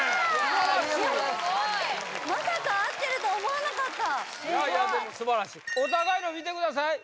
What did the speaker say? まさか合ってるとは思わなかったいやいやでも素晴らしいお互いの見てください